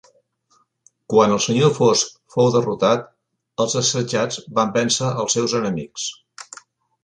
Quan el Senyor Fosc fou derrotat els assetjats van vèncer els seus enemics.